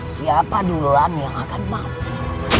siapa duluan yang akan mati